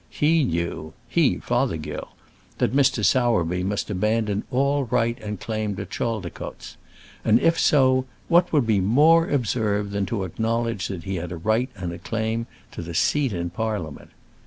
He knew he, Fothergill that Mr. Sowerby must abandon all right and claim to Chaldicotes; and if so, what would be more absurd than to acknowledge that he had a right and claim to the seat in Parliament?